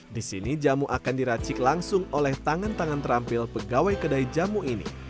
di sini jamu akan diracik langsung oleh tangan tangan terampil pegawai kedai jamu ini